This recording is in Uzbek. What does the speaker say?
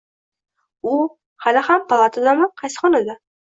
U hali ham palatadami, qaysi xonada